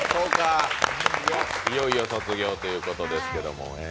いよいよ卒業ということですけども。